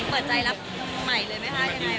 เปิดใจรับใหม่เลยไหมค่ะ